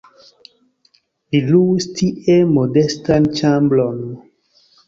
Li luis tie modestan ĉambron.